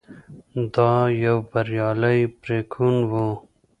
دا یو بریالی پرېکون و.